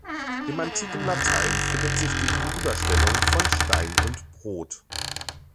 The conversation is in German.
Im antiken Latein findet sich die Gegenüberstellung von Stein und Brot.